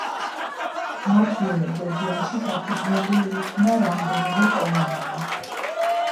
მათ მიერ რეგიონში დაფუძნებულ იქნა რამდენიმე კოლონია.